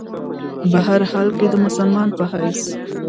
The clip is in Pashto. بهرحال کۀ د مسلمان پۀ حېث